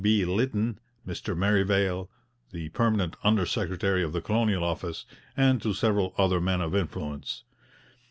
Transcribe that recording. B. Lytton, Mr Merivale, the permanent under secretary of the Colonial Office, and to several other men of influence.